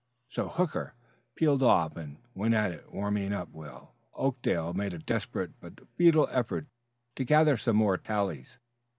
So Hooker peeled off and went at it warming up while Oakdale made a desperate but futile effort to gather some more tallies.